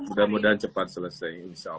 mudah mudahan cepat selesai insya allah